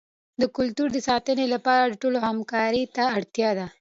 د کلتور د ساتنې لپاره د ټولو همکارۍ ته اړتیا ده.